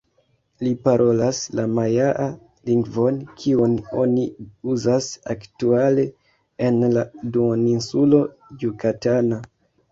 Li parolas la majaa lingvon kiun oni uzas aktuale en la Duoninsulo Jukatana.